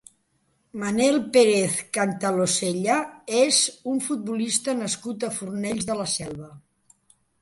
Manel Pérez Cantalosella és un futbolista nascut a Fornells de la Selva.